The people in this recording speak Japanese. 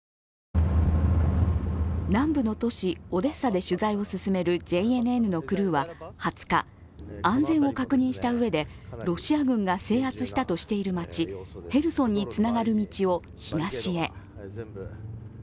南部の都市オデッサで取材を進めるＪＮＮのクルーは２０日、安全を確認したうえでロシア軍が制圧したとしている街、ヘルソンにつながる道を東へ。